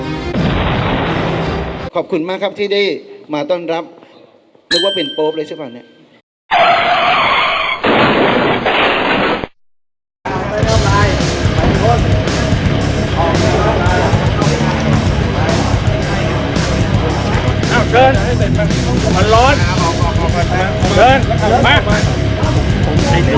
ขอบคุณมากครับที่ได้มาต้อนรับนึกว่าเป็นโป๊ปเลยใช่ป่ะเนี่ย